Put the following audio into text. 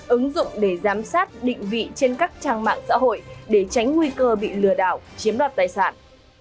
ứng dụng để giám sát định vị trên các trang mạng xã hội để tránh nguy cơ bị lừa đảo chiếm đoạt tài sản